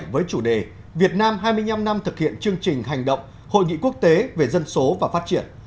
với chủ đề việt nam hai mươi năm năm thực hiện chương trình hành động hội nghị quốc tế về dân số và phát triển